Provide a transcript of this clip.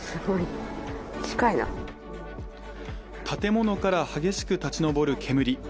建物から激しく立ち上る煙。